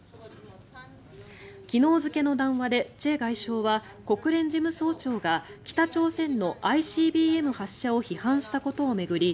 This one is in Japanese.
昨日付の談話でチェ外相は国連事務総長が北朝鮮のＩＣＢＭ発射を批判したことを巡り